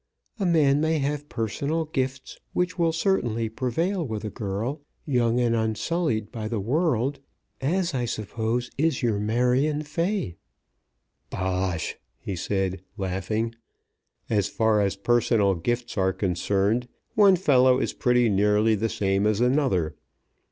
A man may have personal gifts which will certainly prevail with a girl young and unsullied by the world, as I suppose is your Marion Fay." "Bosh," he said, laughing. "As far as personal gifts are concerned, one fellow is pretty nearly the same as another.